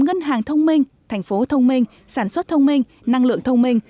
ngân hàng thông minh thành phố thông minh sản xuất thông minh năng lượng thông minh